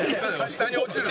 下に落ちる。